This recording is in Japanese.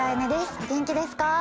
お元気ですか？